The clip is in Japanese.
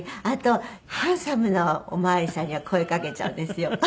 あとハンサムなお巡りさんには声かけちゃうんですよ。